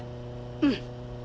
うん！